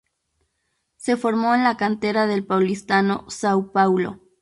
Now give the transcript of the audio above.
Se formó en la cantera del Paulistano São Paulo.